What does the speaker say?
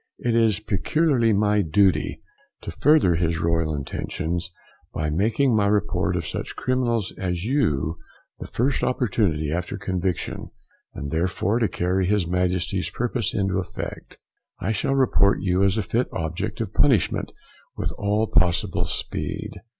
It is peculiarly my duty to further his royal intentions, by making my report of such criminals as you the first opportunity after conviction; and, therefore, to carry his Majesty's purpose into effect, I shall report you as a fit object of punishment with all possible speed.